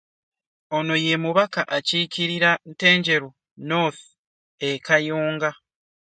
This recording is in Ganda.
Ono ye mubaka akiikirira Ntenjeru North e Kayunga